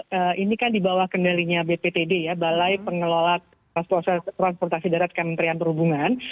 mereka di bawah kendalinya bptd ya balai pengelola transportasi darat kementerian perhubungan